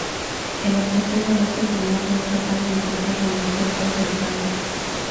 El objetivo de este formato es tratar de encontrar la mejor voz del país.